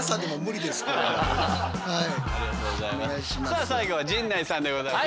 さあ最後は陣内さんでございます。